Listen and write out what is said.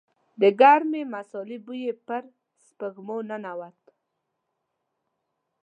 د ګرمې مسالې بوی يې پر سپږمو ننوت.